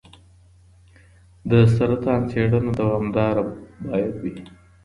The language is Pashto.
د سرطان څېړنه دوامداره باید وي.